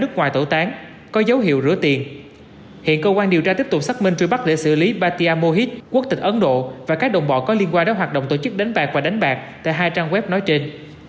công an tp hcm có liên quan đến hoạt động tổ chức đánh bạc và đánh bạc tại hai trang web nói trên